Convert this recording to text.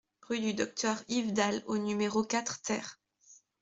Rue du Docteur Yves Dalle au numéro quatre TER